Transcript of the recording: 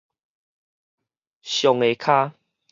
上下跤